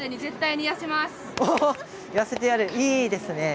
いいですね。